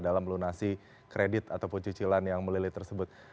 dalam melunasi kredit ataupun cicilan yang melilit tersebut